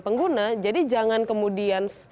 pengguna jadi jangan kemudian